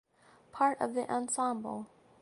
Part of the ensemble.